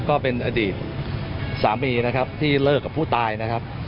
ก็เป็นอดีตสามีนะครับที่เลิกกับผู้ตายนะครับ